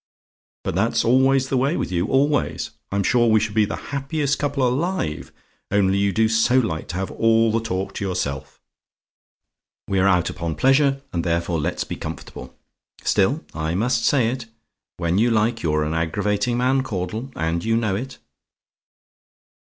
But that's always the way with you always. I'm sure we should be the happiest couple alive, only you do so like to have all the talk to yourself. We're out upon pleasure, and therefore let's be comfortable. Still, I must say it: when you like, you're an aggravating man, Caudle, and you know it.